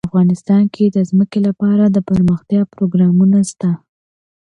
افغانستان کې د ځمکه لپاره دپرمختیا پروګرامونه شته.